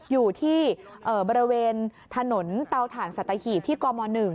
อยู่ที่บริเวณถนนเตาถ่านสัตหีบที่กม๑